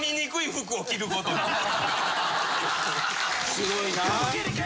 すごいな。